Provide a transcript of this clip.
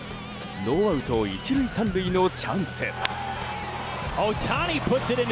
ノーアウト１塁３塁のチャンス。